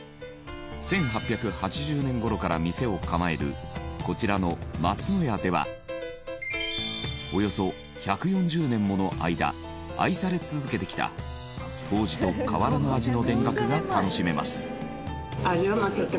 １８８０年頃から店を構えるこちらの松野屋ではおよそ１４０年もの間愛され続けてきた当時と変わらぬ味の田楽が楽しめます。